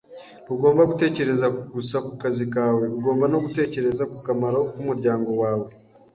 Ntugomba gutekereza gusa ku kazi kawe, ugomba no gutekereza ku kamaro k'umuryango wawe